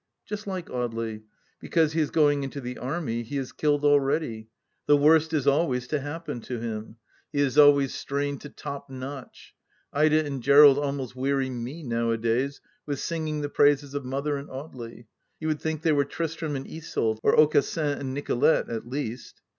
Just like Audely ; because he is going into the Army, he is killed already. The worst is always to happen to him ; he is always strained to top notch 1 Ida and Gerald almost weary me nowadays with singing the praises of Mother and Audely. You would think they were Tristram and Iseult, or Aucassin and Nicolete, at least.